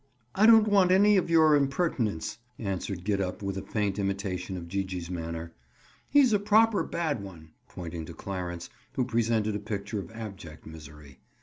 "I don't want any of your impertinence," answered Gid up with a faint imitation of Gee gee's manner. "He's a proper bad one." Pointing to Clarence who presented a picture of abject misery.